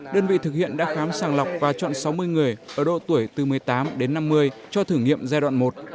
đơn vị thực hiện đã khám sàng lọc và chọn sáu mươi người ở độ tuổi từ một mươi tám đến năm mươi cho thử nghiệm giai đoạn một